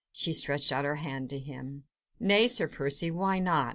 She stretched out her hand to him. "Nay, Sir Percy, why not?